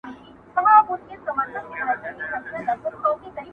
چي د حُسن عدالت یې د مجنون مقام ته بوتلې,